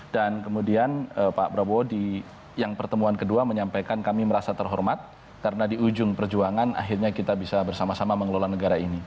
dan kemudian pak prabowo yang pertemuan kedua menyampaikan kami merasa terhormat karena di ujung perjuangan akhirnya kita bisa bersama sama mengelola negara ini